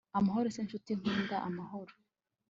amahoro se ncuti nkunda, amahoro